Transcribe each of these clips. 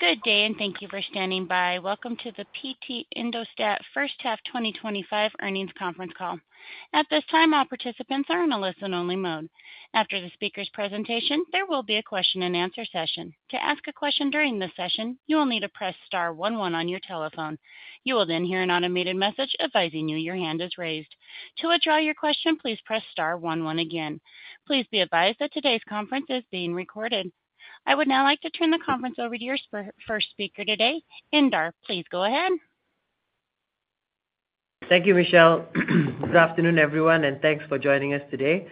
Good day and thank you for standing by. Welcome to the PT Indosat First Half 2025 earnings conference call. At this time, all participants are in a listen-only mode. After the speaker's presentation, there will be a question-and-answer session. To ask a question during this session, you will need to press star one-one on your telephone. You will then hear an automated message advising you your hand is raised. To withdraw your question, please press star one-one again. Please be advised that today's conference is being recorded. I would now like to turn the conference over to your first speaker today, Indar. Please go ahead. Thank you, Michelle. Good afternoon, everyone, and thanks for joining us today.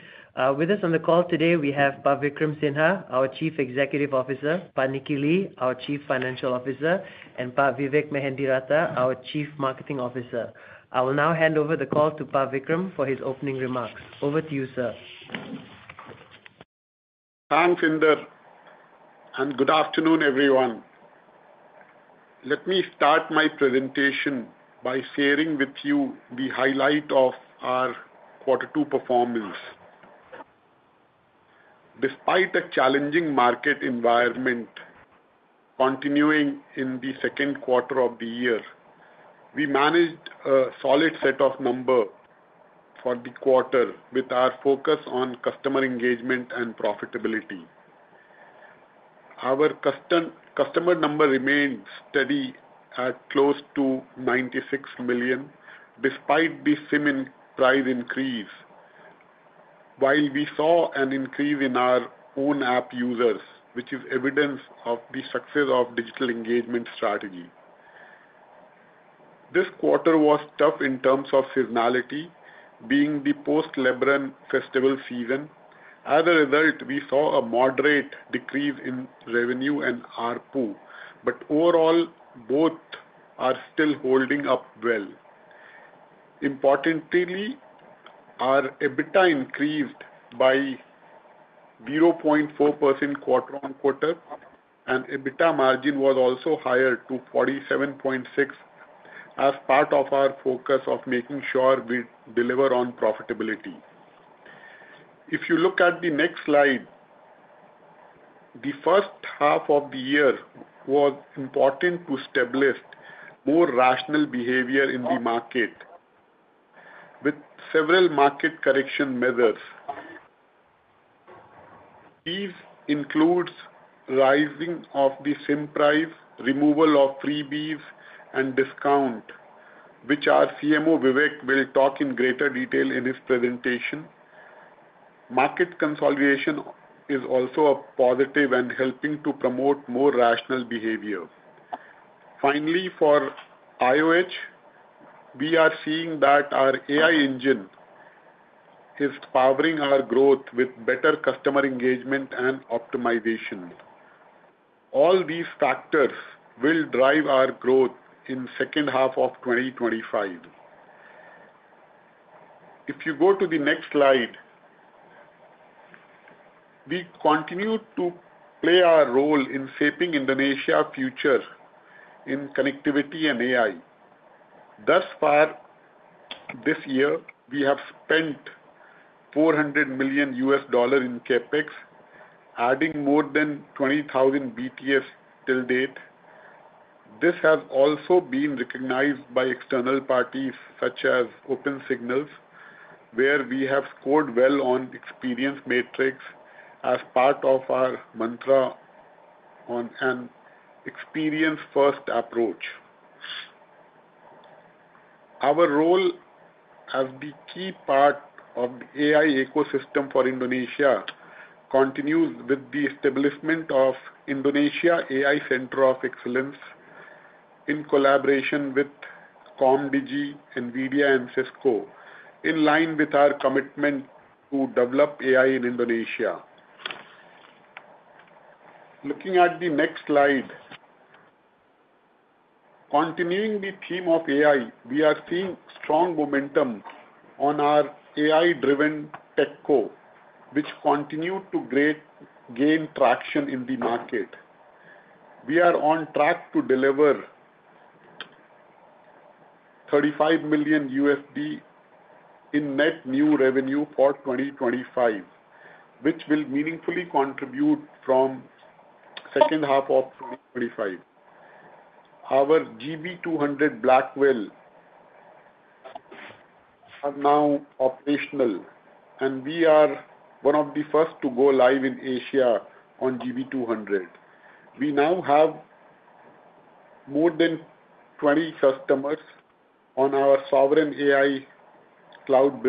With us on the call today, we have Vikram Sinha, our Chief Executive Officer, Nicky Lee, our Chief Financial Officer, and Vivek Mehendiratta, our Chief Marketing Officer. I will now hand over the call to Vikram for his opening remarks. Over to you, sir. Thanks, Indar, and good afternoon, everyone. Let me start my presentation by sharing with you the highlight of our Q2 performance. Despite a challenging market environment continuing in the second quarter of the year, we managed a solid set of numbers for the quarter with our focus on customer engagement and profitability. Our customer number remained steady at close to 96 million despite the SIM price increase, while we saw an increase in our own app users, which is evidence of the success of digital engagement strategy. This quarter was tough in terms of seasonality, being the post-Lebaran Festival season. As a result, we saw a moderate decrease in revenue and ARPU, but overall, both are still holding up well. Importantly, our EBITDA increased by 0.4% quarter-on-quarter, and EBITDA margin was also higher to 47.6% as part of our focus of making sure we deliver on profitability. If you look at the next slide, the first half of the year was important to establish more rational behavior in the market with several market correction measures. These include rising of the SIM price, removal of freebies, and discount, which our CMO, Vivek, will talk in greater detail in his presentation. Market consolidation is also a positive and helping to promote more rational behavior. Finally, for IOH, we are seeing that our AI engine is powering our growth with better customer engagement and optimization. All these factors will drive our growth in the second half of 2025. If you go to the next slide, we continue to play our role in shaping Indonesia's future in connectivity and AI. Thus far, this year, we have spent $400 million in CapEx, adding more than 20,000 BTS till date. This has also been recognized by external parties such as Opensignal, where we have scored well on the experience matrix as part of our mantra on an experience-first approach. Our role as the key part of the AI ecosystem for Indonesia continues with the establishment of Indonesia AI Center of Excellence in collaboration with COMDIGI, NVIDIA, and Cisco, in line with our commitment to develop AI in Indonesia. Looking at the next slide, continuing the theme of AI, we are seeing strong momentum on our AI-driven tech core, which continues to gain traction in the market. We are on track to deliver $35 million in net new revenue for 2025, which will meaningfully contribute from the second half of 2025. Our GB200 Blackwell is now operational, and we are one of the first to go live in Asia on GB200. We now have more than 20 customers on our sovereign AI cloud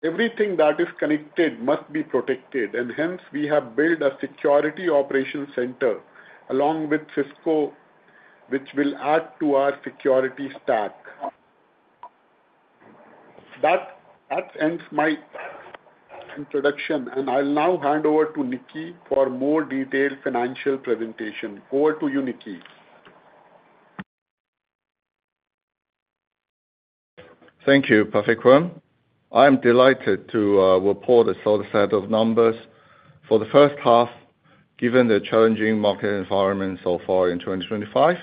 business. Everything that is connected must be protected, and hence, we have built a security operations center along with Cisco, which will add to our security stack. That ends my introduction, and I'll now hand over to Nicky for a more detailed financial presentation. Over to you, Nicky. Thank you, Vikram. I am delighted to report a solid set of numbers for the first half, given the challenging market environment so far in 2025.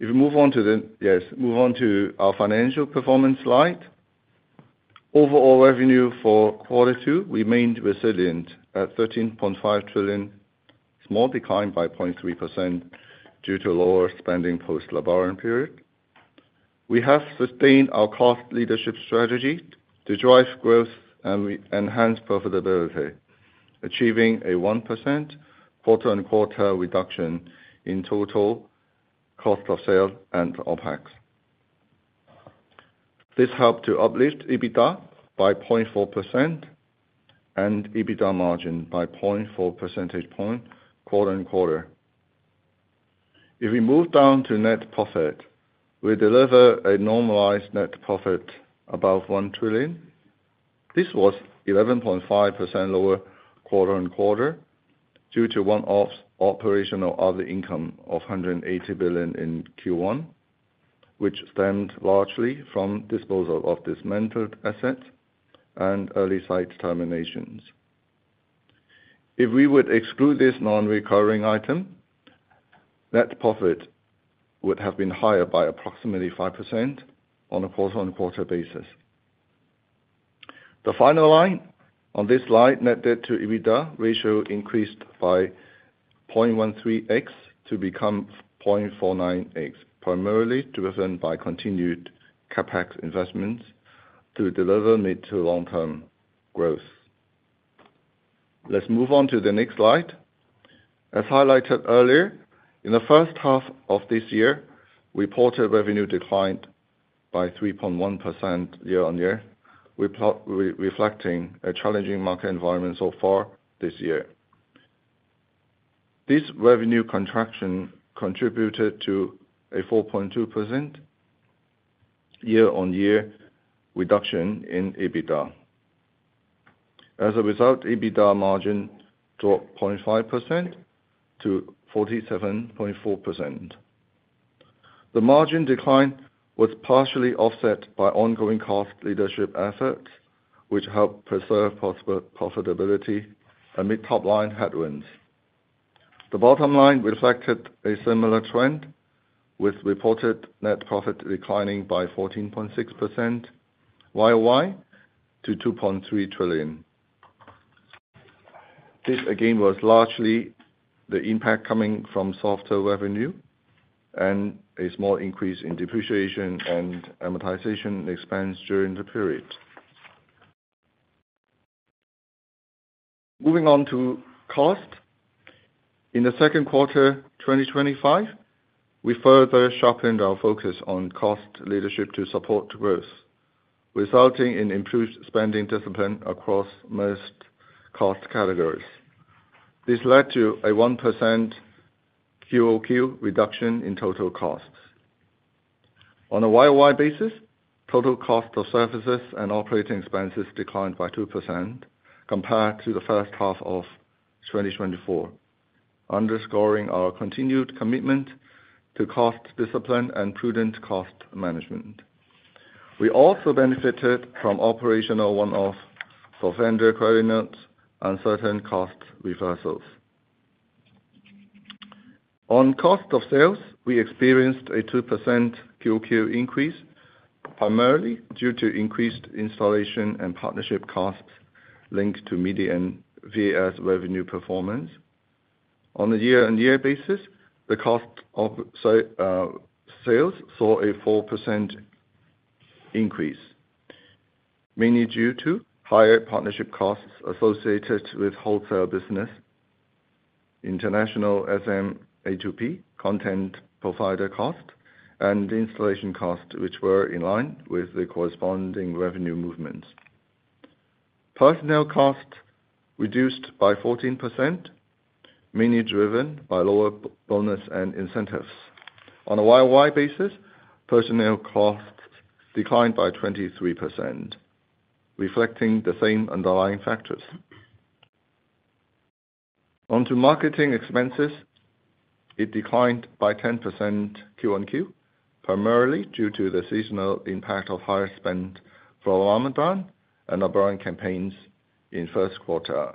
If we move on to the... Yes, move on to our financial performance slide. Overall revenue for Q2 remained resilient at 13.5 trillion. It declined by 0.3% due to lower spending post-Lebaran period. We have sustained our cost leadership strategy to drive growth and enhance profitability, achieving a 1% quarter-on-quarter reduction in total cost of sales and operating expenses. This helped to uplift EBITDA by 0.4% and EBITDA margin by 0.4% quarter-on-quarter. If we move down to net profit, we deliver a normalized net profit above 1 trillion. This was 11.5% lower quarter-on-quarter due to one-off operational other income of 180 billion in Q1, which stemmed largely from disposal of dismantled assets and early site terminations. If we would exclude this non-recurring item, net profit would have been higher by approximately 5% on a quarter-on-quarter basis. The final line on this slide, net debt to EBITDA ratio increased by 0.13x to become 0.49x, primarily driven by continued CapEx investments to deliver mid to long-term growth. Let's move on to the next slide. As highlighted earlier, in the first half of this year, reported revenue declined by 3.1% year-on-year, reflecting a challenging market environment so far this year. This revenue contraction contributed to a 4.2% year-on-year reduction in EBITDA. As a result, EBITDA margin dropped 0.5% to 47.4%. The margin decline was partially offset by ongoing cost leadership efforts, which helped preserve profitability amid top-line headwinds. The bottom line reflected a similar trend, with reported net profit declining by 14.6%, while [Y] to 2.3 trillion. This again was largely the impact coming from software revenue and a small increase in depreciation and amortization expense during the period. Moving on to cost, in the second quarter 2025, we further sharpened our focus on cost leadership to support growth, resulting in improved spending discipline across most cost categories. This led to a 1% quarter-on-quarter reduction in total costs. On a year-on-year basis, total cost of services and operating expenses declined by 2% compared to the first half of 2024, underscoring our continued commitment to cost discipline and prudent cost management. We also benefited from operational one-offs for vendor credits and certain cost reversals. On cost of sales, we experienced a 2% quarter-on-quarter increase, primarily due to increased installation and partnership costs linked to median VAS revenue performance. On a year-on-year basis, the cost of sales saw a 4% increase, mainly due to higher partnership costs associated with wholesale business, international [SMA2P] content provider cost, and installation costs, which were in line with the corresponding revenue movements. Personnel costs reduced by 14%, mainly driven by lower bonus and incentives. On a worldwide basis, personnel costs declined by 23%, reflecting the same underlying factors. Onto marketing expenses, it declined by 10% quarter-on-quarter, primarily due to the seasonal impact of higher spend for Ramadan and Lebron campaigns in the first quarter.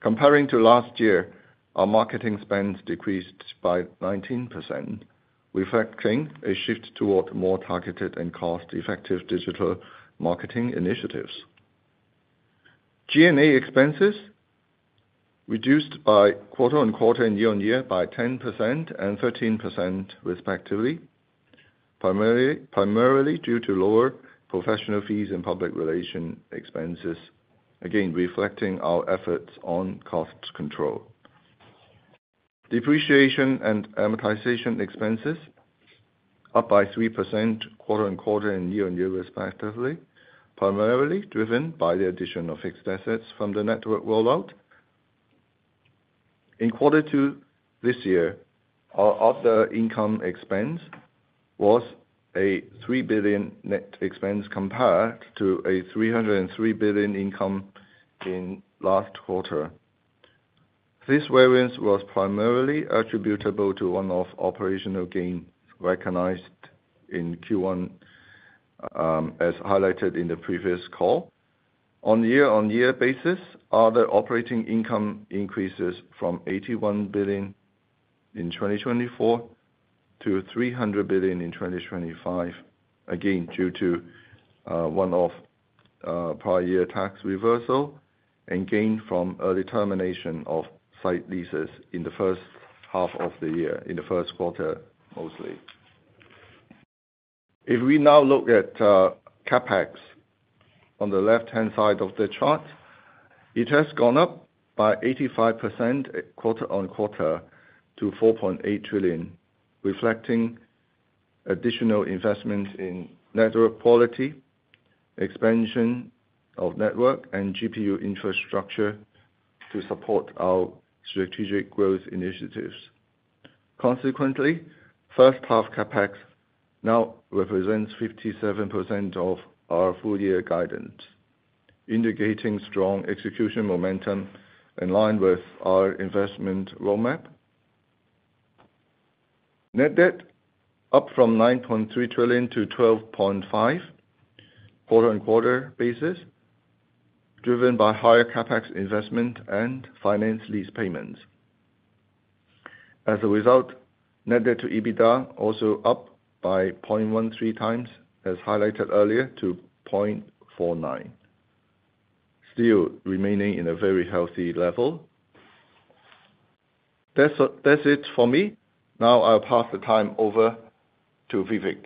Comparing to last year, our marketing spend decreased by 19%, reflecting a shift toward more targeted and cost-effective digital marketing initiatives. G&A expenses reduced by quarter-on-quarter and year-on-year by 10% and 13% respectively, primarily due to lower professional fees and public relations expenses, again reflecting our efforts on cost control. Depreciation and amortization expenses up by 3% quarter-on-quarter and year-on-year respectively, primarily driven by the addition of fixed assets from the network rollout. In Q2 this year, our other income expense was a 3 billion net expense compared to a 303 billion income in the last quarter. This variance was primarily attributable to one-off operational gains recognized in Q1, as highlighted in the previous call. On a year-on-year basis, other operating income increases from 81 billion in 2024 to 300 billion in 2025, again due to one-off prior year tax reversal and gain from early termination of site leases in the first half of the year, in the first quarter mostly. If we now look at CapEx on the left-hand side of the chart, it has gone up by 85% quarter-on-quarter to 4.8 trillion, reflecting additional investments in network quality, expansion of network, and GPU infrastructure to support our strategic growth initiatives. Consequently, first half CapEx now represents 57% of our full-year guidance, indicating strong execution momentum in line with our investment roadmap. Net debt up from 9.3 trillion to 12.5 trillion on a quarter-on-quarter basis, driven by higher CapEx investment and finance lease payments. As a result, net debt to EBITDA also up by 0.13x, as highlighted earlier, to 0.49, still remaining in a very healthy level. That's it for me. Now I'll pass the time over to Vivek.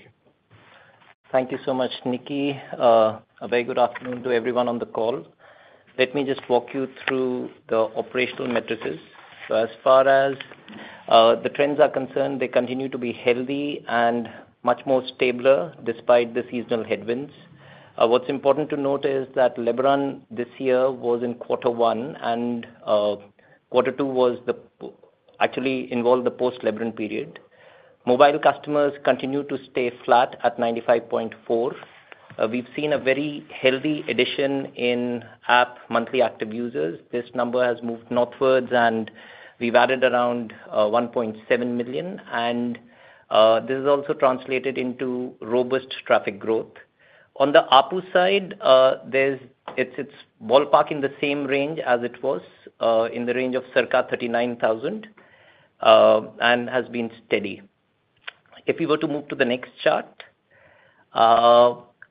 Thank you so much, Nicky. A very good afternoon to everyone on the call. Let me just walk you through the operational matrices. As far as the trends are concerned, they continue to be healthy and much more stable despite the seasonal headwinds. What's important to note is that Lebaran this year was in Q1 and Q2 actually involved the post-Lebaran period. Mobile customers continue to stay flat at 95.4%. We've seen a very healthy addition in app monthly active users. This number has moved northwards and we've added around 1.7 million, and this has also translated into robust traffic growth. On the ARPU side, it's ballpark in the same range as it was, in the range of circa 39,000, and has been steady. If we move to the next chart,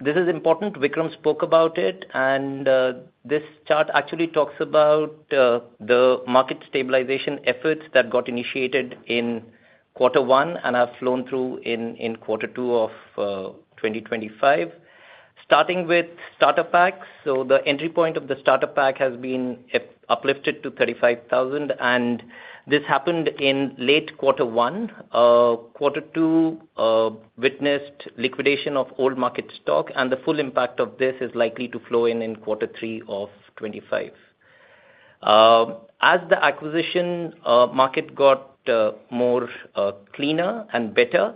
this is important. Vikram spoke about it, and this chart actually talks about the market stabilization efforts that got initiated in Q1 and have flowed through in Q2 of 2025. Starting with starter packs, the entry point of the starter pack has been uplifted to 35,000, and this happened in late Q1. Q2 witnessed liquidation of old market stock, and the full impact of this is likely to flow in Q3 of 2025. As the acquisition market got cleaner and better,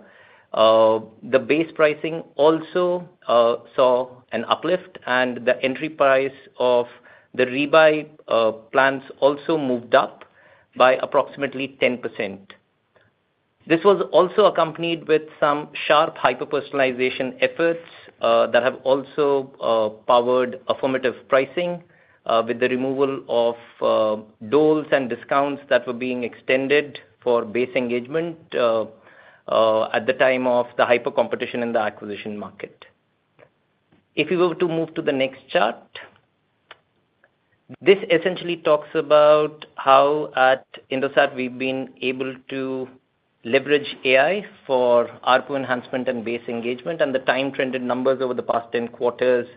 the base pricing also saw an uplift, and the entry price of the rebuy plans also moved up by approximately 10%. This was also accompanied with some sharp hyper-personalization efforts that have also powered affirmative pricing with the removal of doles and discounts that were being extended for base engagement at the time of the hyper-competition in the acquisition market. If we move to the next chart, this essentially talks about how at Indosat we've been able to leverage AI for ARPU enhancement and base engagement, and the time-trended numbers over the past 10 quarters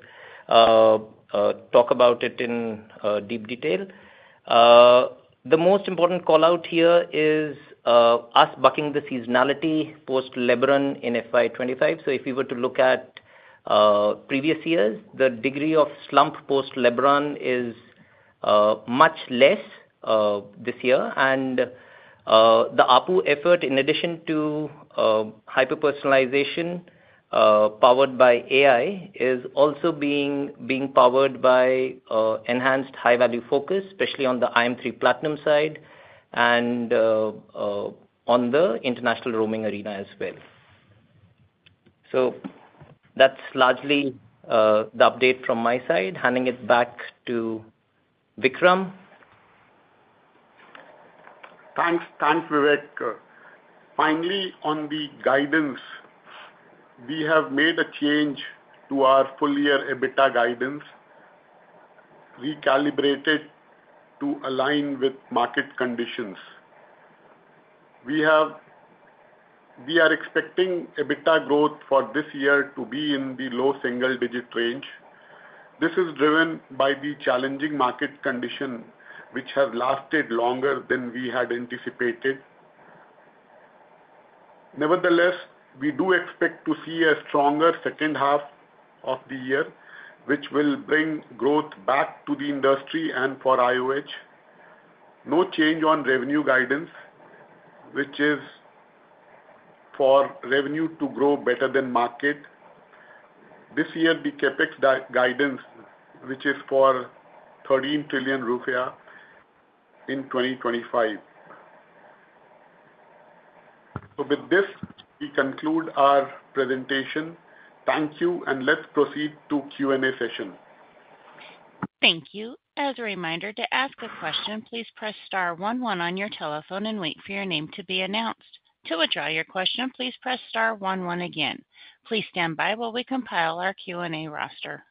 talk about it in deep detail. The most important callout here is us bucking the seasonality post-Lebaran in FY 2025. If we look at previous years, the degree of slump post-Lebaran is much less this year, and the ARPU effort, in addition to hyper-personalization powered by AI, is also being powered by enhanced high-value focus, especially on the IM3 Platinum side and on the international roaming arena as well. That's largely the update from my side. Handing it back to Vikram. Thanks, Vivek. Finally, on the guidance, we have made a change to our full-year EBITDA guidance, recalibrated to align with market conditions. We are expecting EBITDA growth for this year to be in the low single-digit range. This is driven by the challenging market condition, which has lasted longer than we had anticipated. Nevertheless, we do expect to see a stronger second half of the year, which will bring growth back to the industry and for IOH. No change on revenue guidance, which is for revenue to grow better than market. This year, the CapEx guidance, which is for 13 trillion rupiah in 2025. With this, we conclude our presentation. Thank you, and let's proceed to Q&A session. Thank you. As a reminder, to ask a question, please press star one-one on your telephone and wait for your name to be announced. To withdraw your question, please press star one-one again. Please stand by while we compile our Q&A roster.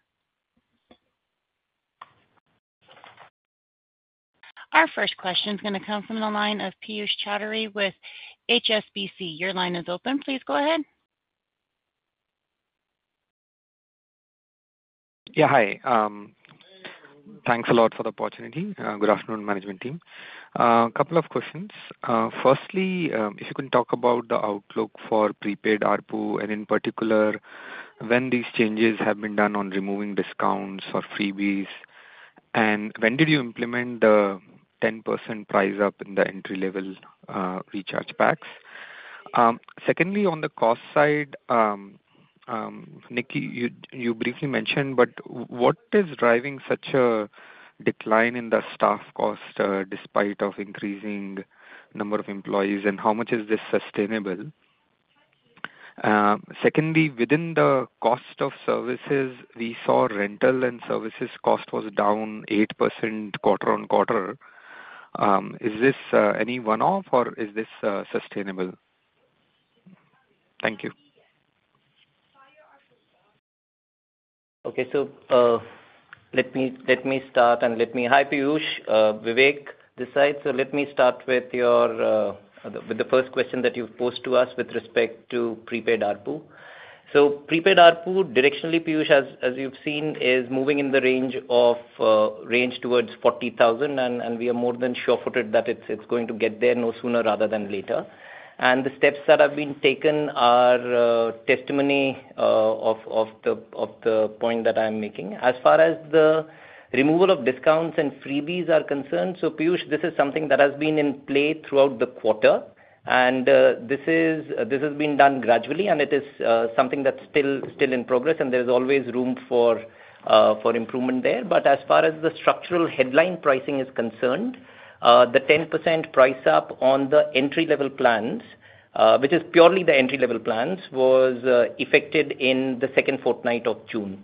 Our first question is going to come from the line of Piyush Choudhary with HSBC. Your line is open. Please go ahead. Yeah, hi. Thanks a lot for the opportunity. Good afternoon, management team. A couple of questions. Firstly, if you can talk about the outlook for prepaid ARPU, and in particular, when these changes have been done on removing discounts or freebies, and when did you implement the 10% price up in the entry-level recharge packs? Secondly, on the cost side, Nicky, you briefly mentioned, but what is driving such a decline in the staff cost despite the increasing number of employees, and how much is this sustainable? Secondly, within the cost of services, we saw rental and services cost was down 8% quarter on quarter. Is this any one-off, or is this sustainable? Thank you. Okay, let me start. Hi Piyush, Vivek this side. Let me start with the first question that you've posed to us with respect to prepaid ARPU. Prepaid ARPU, directionally, Piyush, as you've seen, is moving in the range towards 40,000, and we are more than sure-footed that it's going to get there no sooner rather than later. The steps that have been taken are testimony of the point that I'm making. As far as the removal of discounts and freebies are concerned, Piyush, this is something that has been in play throughout the quarter, and this has been done gradually, and it is something that's still in progress, and there's always room for improvement there. As far as the structural headline pricing is concerned, the 10% price up on the entry-level plans, which is purely the entry-level plans, was effective in the second fortnight of June.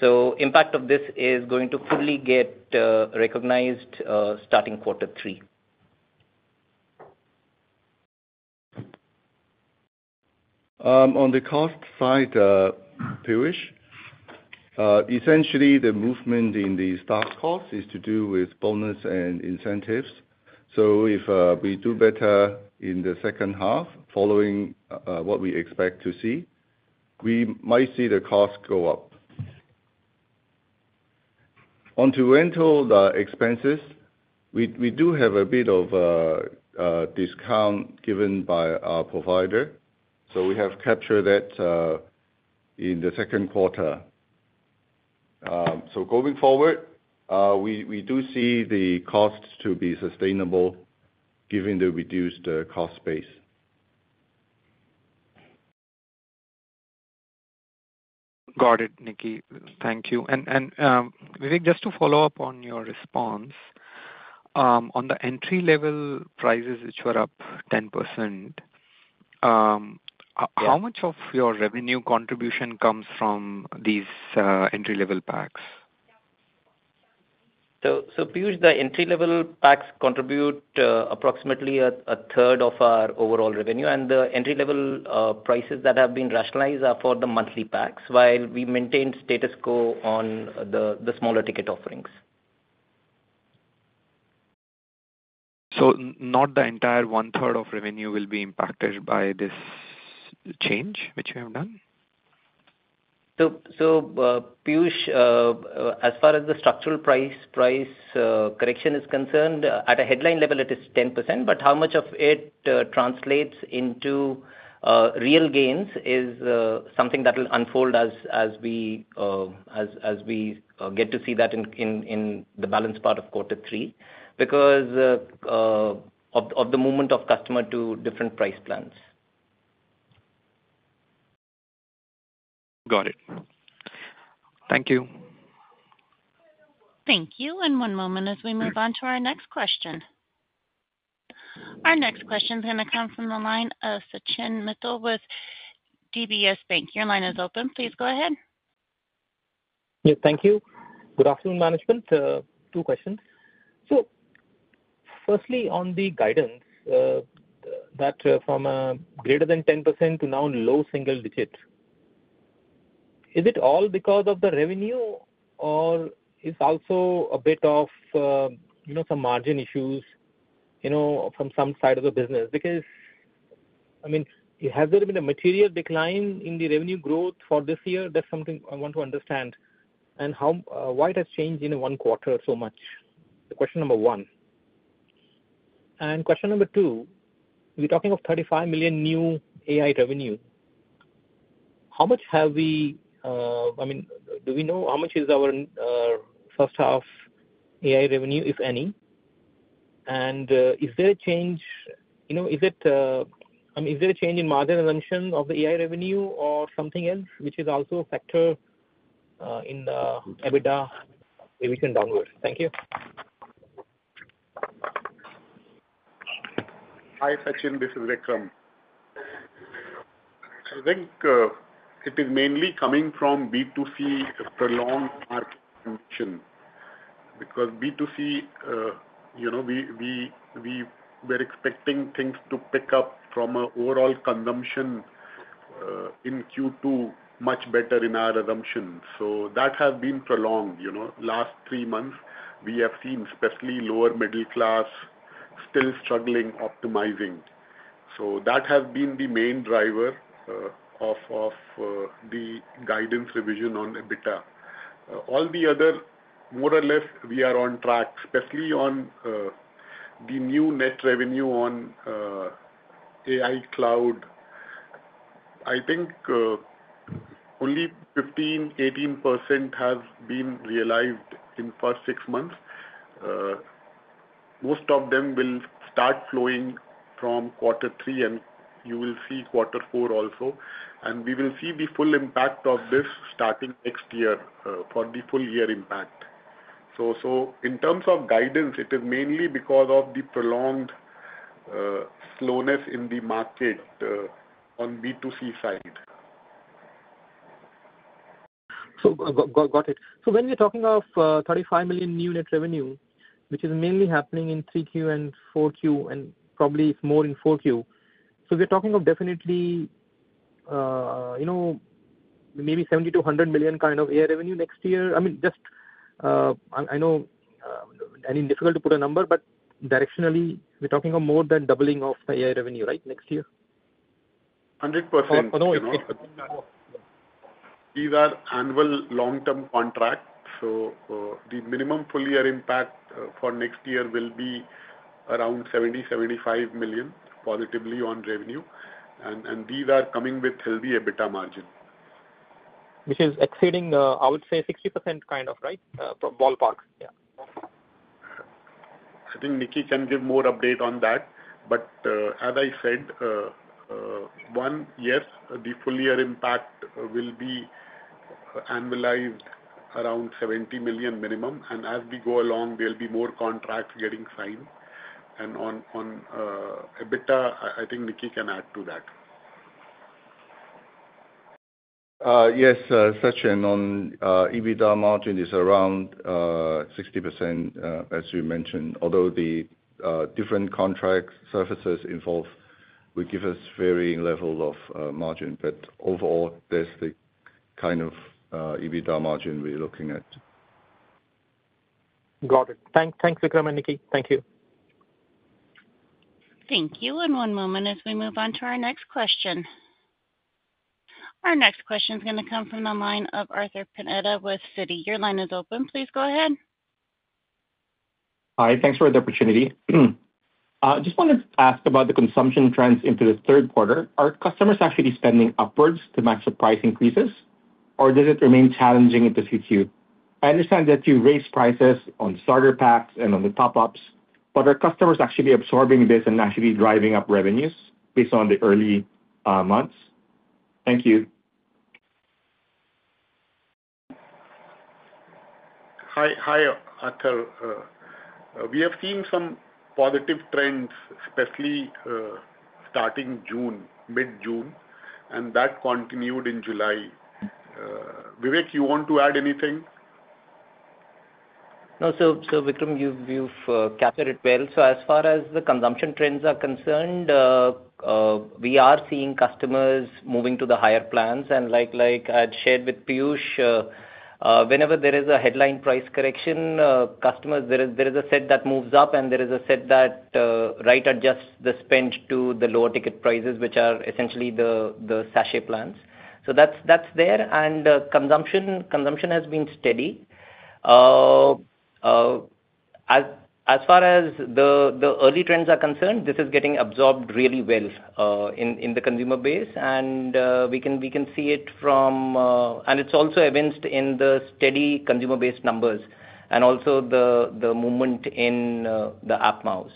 The impact of this is going to fully get recognized starting quarter three. On the cost side, Piyush, essentially, the movement in the staff cost is to do with bonus and incentives. If we do better in the second half following what we expect to see, we might see the cost go up. Onto rental expenses, we do have a bit of a discount given by our provider, so we have captured that in the second quarter. Going forward, we do see the costs to be sustainable given the reduced cost base. Got it, Nicky. Thank you. Vivek, just to follow up on your response on the entry-level prices which were up 10%, how much of your revenue contribution comes from these entry-level packs? Piyush, the entry-level packs contribute approximately a third of our overall revenue, and the entry-level prices that have been rationalized are for the monthly packs, while we maintain status quo on the smaller ticket offerings. Not the entire one-third of revenue will be impacted by this change which you have done? As far as the structural price correction is concerned, at a headline level, it is 10%, but how much of it translates into real gains is something that will unfold as we get to see that in the balance part of quarter three because of the movement of customers to different price plans. Got it. Thank you. Thank you. One moment as we move on to our next question. Our next question is going to come from the line of Sachin Mittal with DBS Bank. Your line is open. Please go ahead. Yeah, thank you. Good afternoon, management. Two questions. Firstly, on the guidance that from a greater than 10% to now low single digits, is it all because of the revenue, or is it also a bit of, you know, some margin issues from some side of the business? Has there been a material decline in the revenue growth for this year? That's something I want to understand. How and why it has changed in one quarter so much? That's question number one. Question number two, we're talking of $35 million new AI revenue. How much have we, I mean, do we know how much is our first half AI revenue, if any? Is there a change, you know, is it, I mean, is there a change in margin assumption of the AI revenue or something else which is also a factor in the EBITDA? Maybe we can download. Thank you. Hi, Sachin. This is Vikram. I think it is mainly coming from B2C prolonged market consumption because B2C, you know, we were expecting things to pick up from an overall consumption in Q2 much better in our assumptions. That has been prolonged. You know, last three months, we have seen especially lower middle class still struggling optimizing. That has been the main driver of the guidance revision on EBITDA. All the other, more or less, we are on track, especially on the new net revenue on AI cloud. I think only 15%-18% has been realized in the first six months. Most of them will start flowing from quarter three, you will see quarter four also. We will see the full impact of this starting next year for the full year impact. In terms of guidance, it is mainly because of the prolonged slowness in the market on B2C side. When we're talking of $35 million new net revenue, which is mainly happening in 3Q and 4Q, and probably it's more in 4Q, we're talking of definitely, you know, maybe $70 million-$100 million kind of AI revenue next year. I mean, just I know it's difficult to put a number, but directionally, we're talking of more than doubling of the AI revenue, right, next year? 100%. Oh, no, it's not. These are annual long-term contracts. The minimum full-year impact for next year will be around $70 million, $75 million positively on revenue. These are coming with healthy EBITDA margin. Which is exceeding, I would say, 60% kind of, right? Ballpark. I think Nicky can give more update on that. As I said, one, yes, the full-year impact will be annualized around $70 million minimum. As we go along, there'll be more contracts getting signed. On EBITDA, I think Nicky can add to that. Yes, Sachin, on EBITDA margin, it's around 60%, as you mentioned. Although the different contracts services involved will give us varying levels of margin, overall, that's the kind of EBITDA margin we're looking at. Got it. Thanks, Vikram and Nicky. Thank you. Thank you. One moment as we move on to our next question. Our next question is going to come from the line of Arthur Pineda with Citi. Your line is open. Please go ahead. Hi. Thanks for the opportunity. I just wanted to ask about the consumption trends into the third quarter. Are customers actually spending upwards to match the price increases, or does it remain challenging in the current quarter? I understand that you raise prices on starter packs and on the top-ups, but are customers actually absorbing this and actually driving up revenues based on the early months? Thank you. Hi, Akal. We have seen some positive trends, especially starting June, mid-June, and that continued in July. Vivek, you want to add anything? No. Vikram, you've captured it well. As far as the consumption trends are concerned, we are seeing customers moving to the higher plans. Like I had shared with Piyush, whenever there is a headline price correction, customers, there is a set that moves up, and there is a set that right adjusts the spend to the lower ticket prices, which are essentially the Sashay plans. That's there. Consumption has been steady. As far as the early trends are concerned, this is getting absorbed really well in the consumer base. We can see it from, and it's also evinced in the steady consumer base numbers and also the movement in the app monthly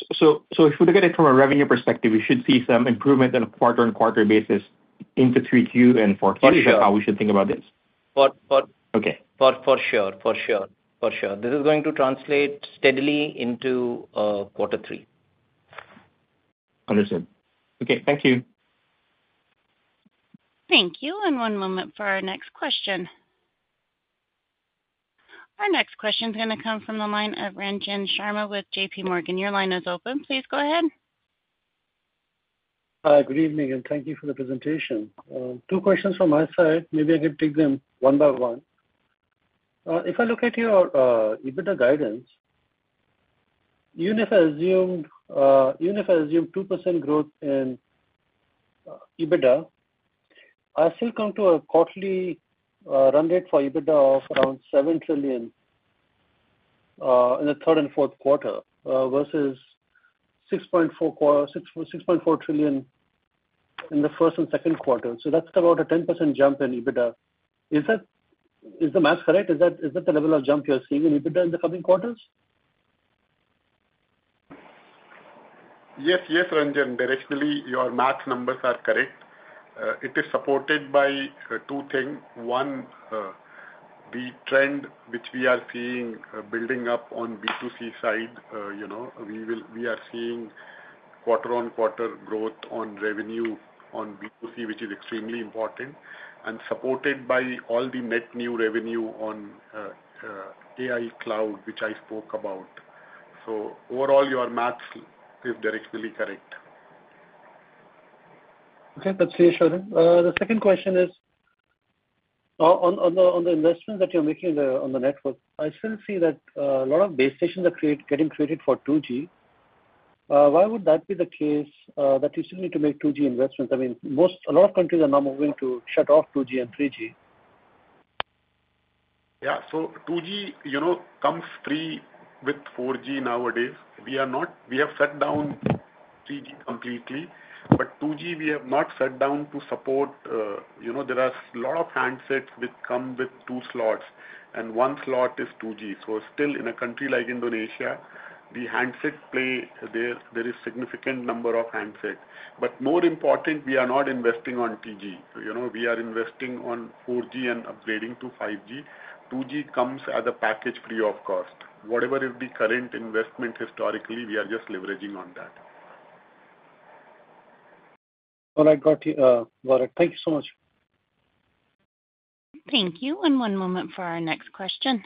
active users. If we look at it from a revenue perspective, we should see some improvement on a quarter-on-quarter basis into 3Q and 4Q. Is that how we should think about this? For sure. This is going to translate steadily into quarter three. Understood. Okay, thank you. Thank you. One moment for our next question. Our next question is going to come from the line of Ranjan Sharma with JPMorgan. Your line is open. Please go ahead. Good evening, and thank you for the presentation. Two questions from my side. Maybe I can take them one by one. If I look at your EBITDA guidance, even if I assume 2% growth in EBITDA, I still come to a quarterly run rate for EBITDA of around 7 trillion in the third and fourth quarter versus 6.4 trillion in the first and second quarter. That's about a 10% jump in EBITDA. Is that, is the math correct? Is that the level of jump you're seeing in EBITDA in the coming quarters? Yes, yes, Ranjan. Directly, your math numbers are correct. It is supported by two things. One, the trend which we are seeing building up on B2C side, you know, we are seeing quarter-on-quarter growth on revenue on B2C, which is extremely important, and supported by all the net new revenue on AI cloud, which I spoke about. Overall, your math is directionally correct. Okay. That's reassuring. The second question is on the investments that you're making on the network. I still see that a lot of base stations are getting created for 2G. Why would that be the case that you still need to make 2G investments? I mean, a lot of countries are now moving to shut off 2G and 3G. Yeah. 2G, you know, comes free with 4G nowadays. We are not, we have shut down 3G completely, but 2G, we have not shut down to support. You know, there are a lot of handsets which come with two slots, and one slot is 2G. Still, in a country like Indonesia, the handset play, there is a significant number of handsets. More important, we are not investing on 2G. We are investing on 4G and upgrading to 5G. 2G comes as a package free of cost. Whatever is the current investment historically, we are just leveraging on that. All right. Got it. Thank you so much. Thank you. One moment for our next question.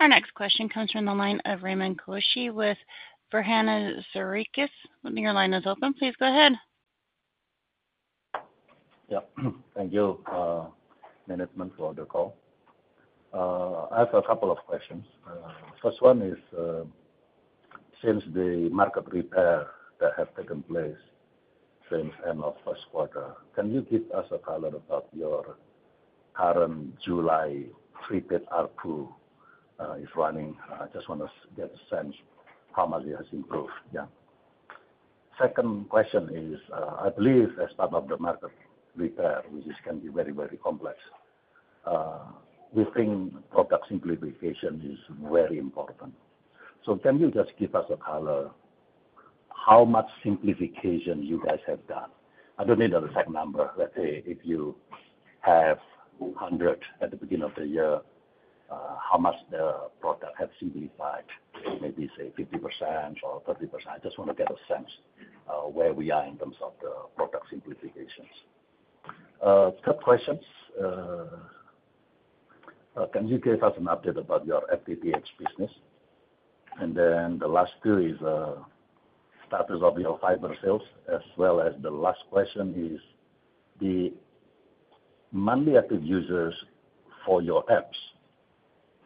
Our next question comes from the line of [Raymond Kohshi with Virhan Azarikis]. Your line is open. Please go ahead. Yeah. Thank you, management, for the call. I have a couple of questions. The first one is, since the market repair that has taken place since the end of the first quarter, can you give us a highlight about your current July prepaid ARPU? It's running. I just want to get a sense of how much it has improved. Second question is, I believe as part of the market repair, which can be very, very complex, we think product simplification is very important. Can you just give us a highlight of how much simplification you guys have done? I don't need an exact number. Let's say if you have 100 at the beginning of the year, how much the product has simplified? Maybe say 50% or 30%. I just want to get a sense of where we are in terms of the product simplifications. Third question, can you give us an update about your FTTH business? The last two are the status of your fiber asset sales, as well as the last question, the monthly active users for your apps.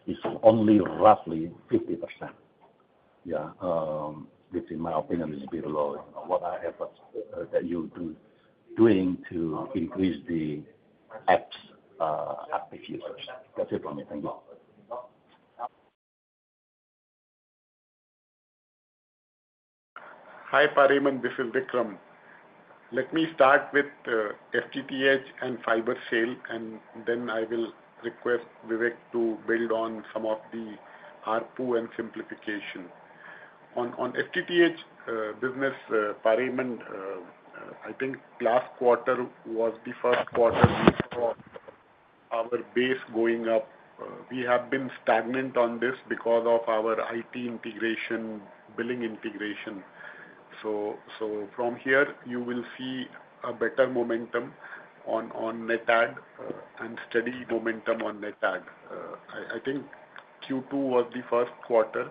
It's only roughly 50%, which in my opinion is below whatever that you're doing to increase the apps' active users. That's it for me. Thank you. Hi, Pariman. This is Vikram. Let me start with FTTH and fiber sale, and then I will request Vivek to build on some of the ARPU and simplification. On FTTH business, Pariman, I think last quarter was the first quarter we saw our base going up. We have been stagnant on this because of our IT integration, billing integration. From here, you will see a better momentum on net add and steady momentum on net add. I think Q2 was the first quarter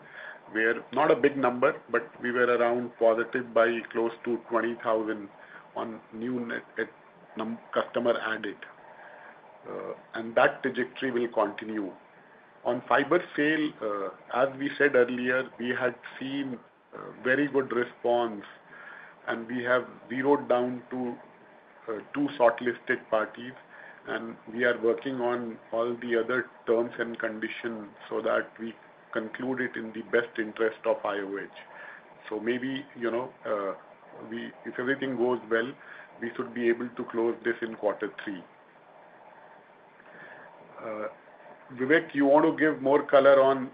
where not a big number, but we were around positive by close to 20,000 on new net customer added. That trajectory will continue. On fiber sale, as we said earlier, we had seen a very good response, and we have zeroed down to two shortlisted parties. We are working on all the other terms and conditions so that we conclude it in the best interest of IOH. If everything goes well, we should be able to close this in quarter three. Vivek, you want to give more color on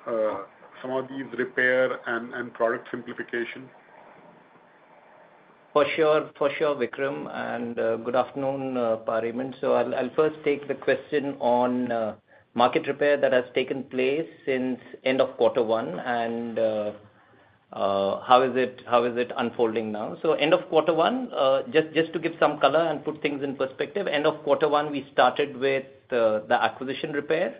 some of these repair and product simplification? For sure. For sure, Vikram. Good afternoon, Pariman. I'll first take the question on market repair that has taken place since end of quarter one. How is it unfolding now? End of quarter one, just to give some color and put things in perspective, end of quarter one, we started with the acquisition repair.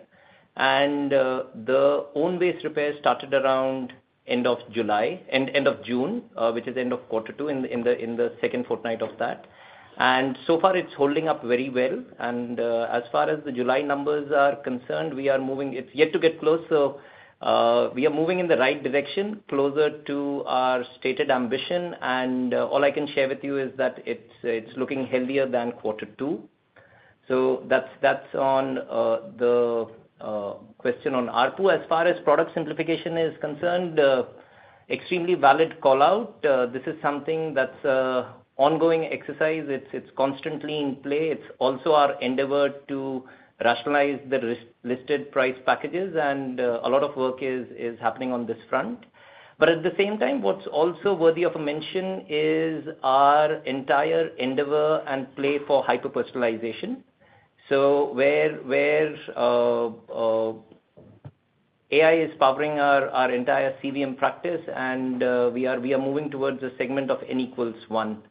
The own-based repair started around end of July, end of June, which is end of quarter two, in the second fortnight of that. So far, it's holding up very well. As far as the July numbers are concerned, we are moving, it's yet to get close. We are moving in the right direction, closer to our stated ambition. All I can share with you is that it's looking healthier than quarter two. That's on the question on ARPU. As far as product simplification is concerned, extremely valid callout. This is something that's an ongoing exercise. It's constantly in play. It's also our endeavor to rationalize the listed price packages. A lot of work is happening on this front. At the same time, what's also worthy of a mention is our entire endeavor and play for hyper-personalization, where AI is powering our entire CVM practice, and we are moving towards a segment of N equals 1.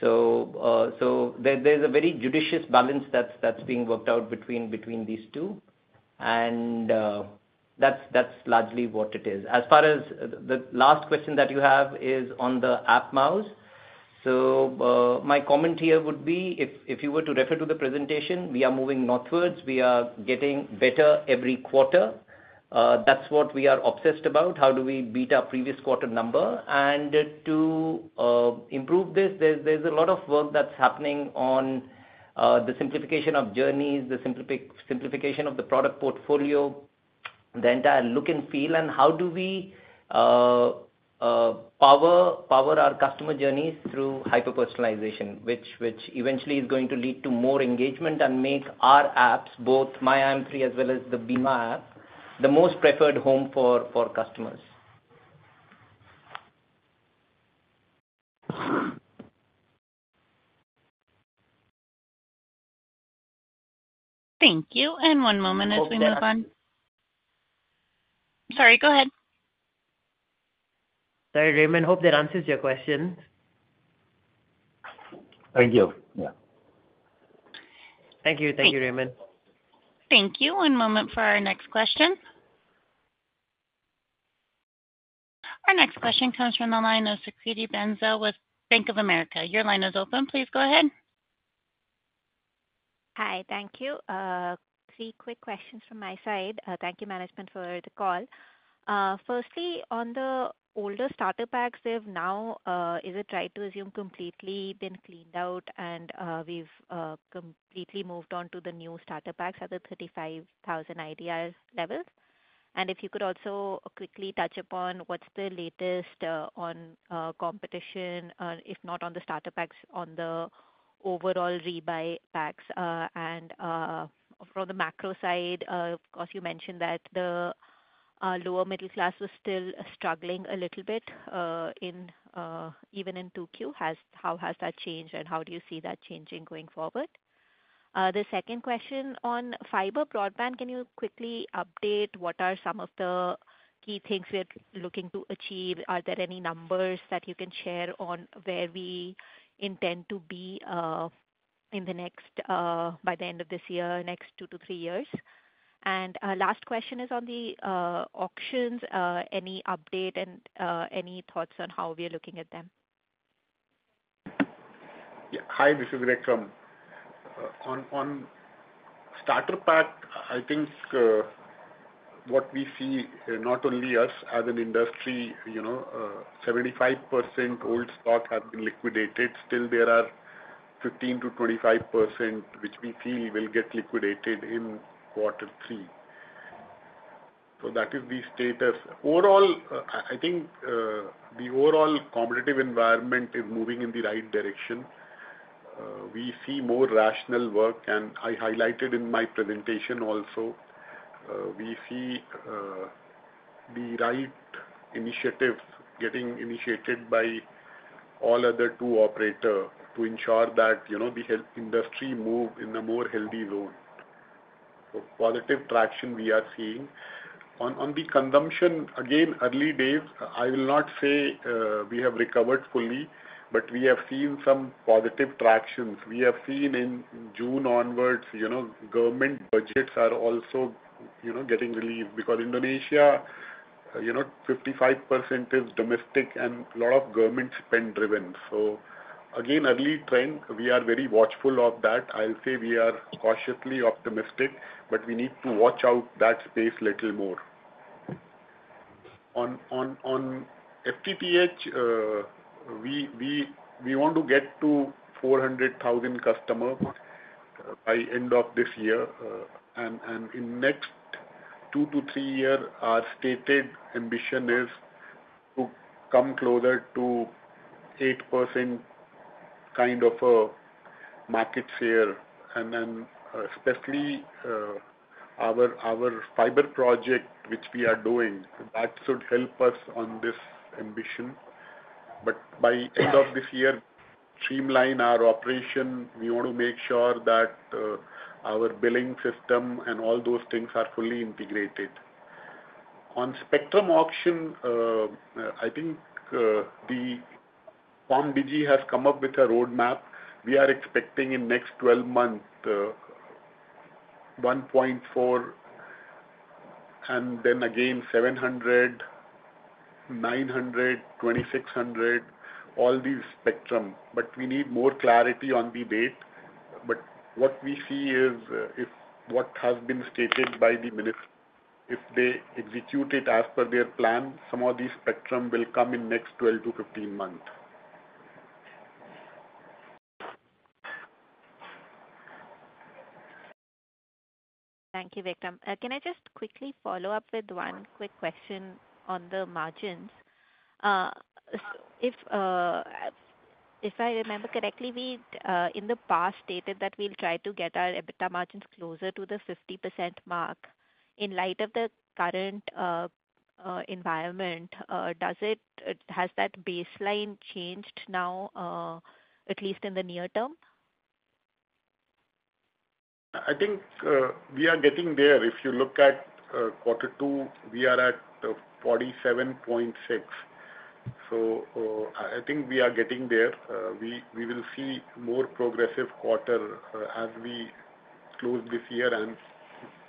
There's a very judicious balance that's being worked out between these two. That's largely what it is. As far as the last question that you have is on the app monthly active users, my comment here would be, if you were to refer to the presentation, we are moving northwards. We are getting better every quarter. That's what we are obsessed about. How do we beat our previous quarter number? To improve this, there's a lot of work that's happening on the simplification of journeys, the simplification of the product portfolio, the entire look and feel, and how we power our customer journeys through hyper-personalization, which eventually is going to lead to more engagement and make our apps, both myIM3 as well as the bima+ app, the most preferred home for customers. Thank you. One moment as we move on. Sorry. Sorry, go ahead. Sorry, Raymond. Hope that answers your question. Thank you. Yeah. Thank you. Thank you, Raymond. Thank you. One moment for our next question. Our next question comes from the line of Sukriti Benzo with Bank of America. Your line is open. Please go ahead. Hi. Thank you. Three quick questions from my side. Thank you, management, for the call. Firstly, on the older starter packs, they've now, is it right to assume, completely been cleaned out and we've completely moved on to the new starter packs at the 35,000 IDR levels? If you could also quickly touch upon what's the latest on competition, if not on the starter packs, on the overall rebuy packs. From the macro side, of course, you mentioned that the lower middle class was still struggling a little bit, even in 2Q. How has that changed and how do you see that changing going forward? The second question on fiber broadband, can you quickly update what are some of the key things we're looking to achieve? Are there any numbers that you can share on where we intend to be by the end of this year, next two to three years? Last question is on the auctions. Any update and any thoughts on how we are looking at them? Yeah. Hi, Vikram. On starter pack, I think what we see, not only us as an industry, you know, 75% old stock has been liquidated. Still, there are 15%-25% which we feel will get liquidated in quarter three. That is the status. Overall, I think the overall competitive environment is moving in the right direction. We see more rational work, and I highlighted in my presentation also, we see the right initiatives getting initiated by all other two operators to ensure that, you know, the health industry moves in a more healthy zone. Positive traction we are seeing. On the consumption, again, early days, I will not say we have recovered fully, but we have seen some positive tractions. We have seen in June onwards, you know, government budgets are also, you know, getting relieved because Indonesia, you know, 55% is domestic and a lot of government spend driven. Again, early trend, we are very watchful of that. I'll say we are cautiously optimistic, but we need to watch out that space a little more. On FTTH, we want to get to 400,000 customers by the end of this year. In the next two to three years, our stated ambition is to come closer to 8% kind of a market share. Especially, our fiber project, which we are doing, that should help us on this ambition. By the end of this year, streamline our operation. We want to make sure that our billing system and all those things are fully integrated. On spectrum auction, I think the Palm Digi has come up with a roadmap. We are expecting in the next 12 months 1.4 and then again 700, 900, 2,600, all these spectrum. We need more clarity on the date. What we see is if what has been stated by the minister, if they execute it as per their plan, some of these spectrum will come in the next 12 to 15 months. Thank you, Vikram. Can I just quickly follow up with one quick question on the margins? If I remember correctly, we, in the past, stated that we'll try to get our EBITDA margins closer to the 50% mark. In light of the current environment, has that baseline changed now, at least in the near term? I think we are getting there. If you look at quarter two, we are at 47.6. I think we are getting there. We will see more progressive quarter as we close this year and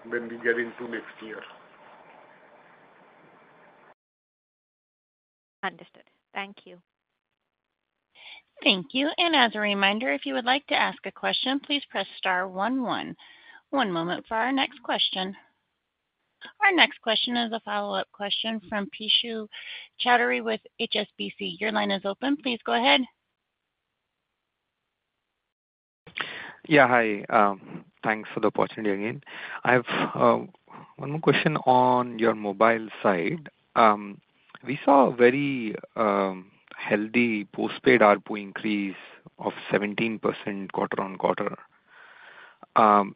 when we get into next year. Understood. Thank you. Thank you. As a reminder, if you would like to ask a question, please press star one-one. One moment for our next question. Our next question is a follow-up question from Piyush Chourdary with HSBC. Your line is open. Please go ahead. Yeah, hi. Thanks for the opportunity again. I have one more question on your mobile side. We saw a very healthy postpaid ARPU increase of 17% quarter-on-quarter.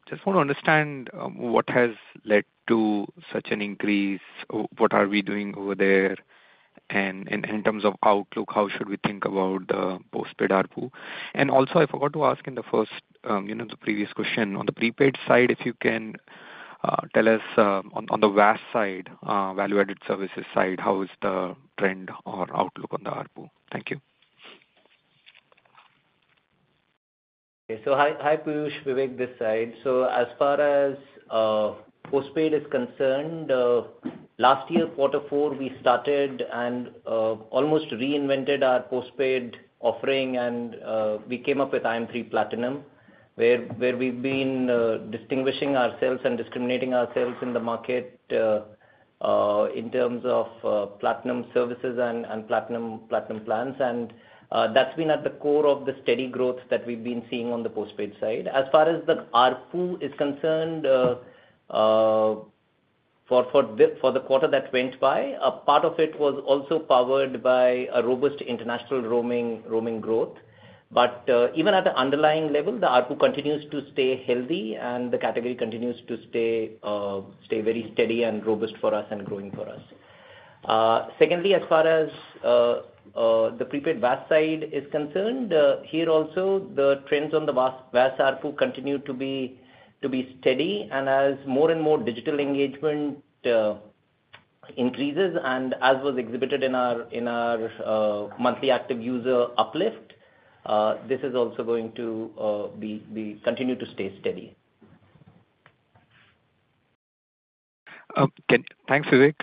Just want to understand what has led to such an increase. What are we doing over there? In terms of outlook, how should we think about the postpaid ARPU? Also, I forgot to ask in the previous question, on the prepaid side, if you can tell us on the VAS side, value-added services side, how is the trend or outlook on the ARPU? Thank you. Okay. Hi, Piyush, Vivek this side. As far as postpaid is concerned, last year, quarter four, we started and almost reinvented our postpaid offering. We came up with IM3 Platinum, where we've been distinguishing ourselves and discriminating ourselves in the market in terms of platinum services and platinum plans. That's been at the core of the steady growth that we've been seeing on the postpaid side. As far as the ARPU is concerned, for the quarter that went by, a part of it was also powered by a robust international roaming growth. Even at the underlying level, the ARPU continues to stay healthy, and the category continues to stay very steady and robust for us and growing for us. Secondly, as far as the prepaid VAS side is concerned, here also, the trends on the VAS ARPU continue to be steady. As more and more digital engagement increases, and as was exhibited in our monthly active user uplift, this is also going to continue to stay steady. Okay. Thanks, Vivek.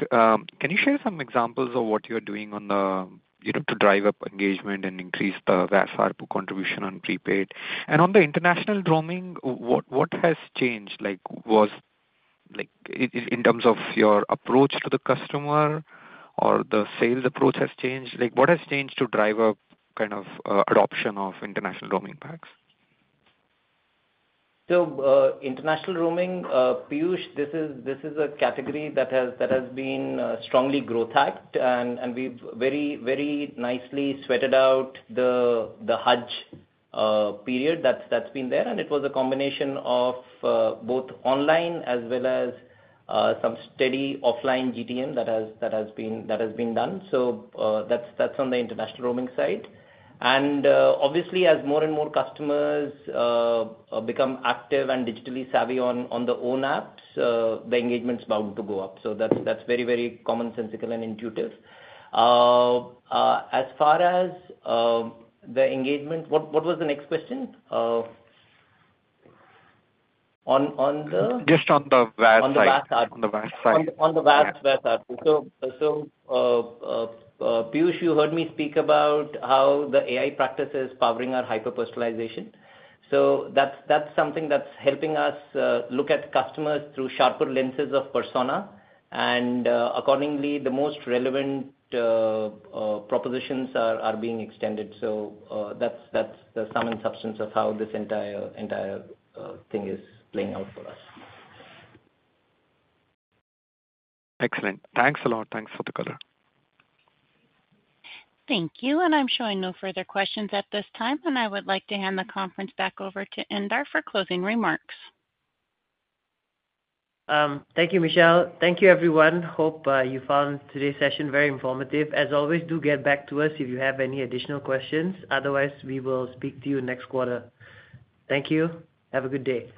Can you share some examples of what you're doing to drive up engagement and increase the vast ARPU contribution on prepaid? On the international roaming, what has changed? Like, was it in terms of your approach to the customer or the sales approach has changed? What has changed to drive up kind of adoption of international roaming packs? International roaming, Piyush, this is a category that has been strongly growth hacked. We've very, very nicely sweated out the Hajj period that's been there. It was a combination of both online as well as some steady offline GTM that has been done. That's on the international roaming side. Obviously, as more and more customers become active and digitally savvy on the own apps, the engagement is bound to go up. That's very, very commonsensical and intuitive. As far as the engagement, what was the next question? Just on the vast ARPU. On the vast ARPU. On the vast, vast ARPU. You heard me speak about how the AI practice is powering our hyper-personalization. That's something that's helping us look at customers through sharper lenses of persona, and accordingly, the most relevant propositions are being extended. That's the sum and substance of how this entire thing is playing out for us. Excellent. Thanks a lot. Thanks for the color. Thank you. I'm showing no further questions at this time. I would like to hand the conference back over to Indar for closing remarks. Thank you, Michelle. Thank you, everyone. Hope you found today's session very informative. As always, do get back to us if you have any additional questions. Otherwise, we will speak to you next quarter. Thank you. Have a good day.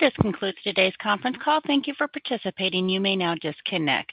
This concludes today's conference call. Thank you for participating. You may now disconnect.